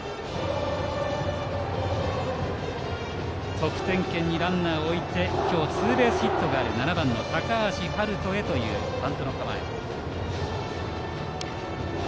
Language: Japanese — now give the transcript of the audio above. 得点圏にランナーを置いて今日ツーベースヒットがある高橋陽大へというバントの構え。